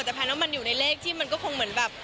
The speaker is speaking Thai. แต่แพลนว่ามันอยู่ในเลขที่มันก็คงเหมือนแบบ